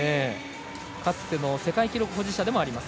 かつての世界記録保持者でもあります。